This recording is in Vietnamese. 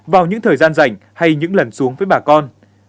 vào những thời gian rảnh hay những lần xuống với bà con